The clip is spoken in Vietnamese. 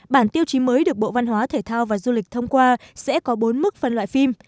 bản tiêu chí mới được bộ văn hóa thể thao và du lịch thông qua sẽ có bốn mức phân loại phim